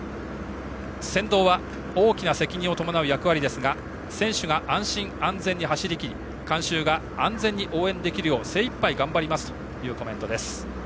先導は、大きな責任を伴う役割ですが選手が安心・安全に走りきり観衆が安全に応援できるよう精いっぱい頑張りますというコメントです。